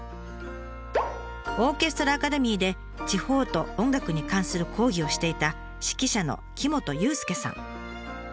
オーケストラ・アカデミーで地方と音楽に関する講義をしていた指揮者の木許裕介さん。